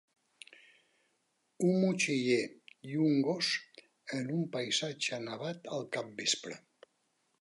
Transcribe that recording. Un motxiller i un gos en un paisatge nevat al capvespre.